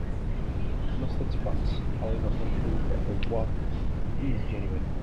Most experts, however, conclude that the work is genuine.